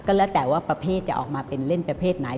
แล้วแต่ว่าประเภทจะออกมาเป็นเล่นประเภทไหน